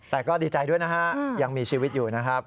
แต่ก็ดีใจด้วยนะฮะยังมีชีวิตอยู่นะครับ